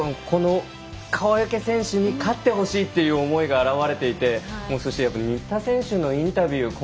この川除選手に勝ってほしいという思いが表れていて新田選手のインタビュー